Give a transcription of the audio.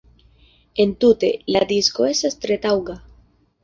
Entute, la disko estas tre taŭga.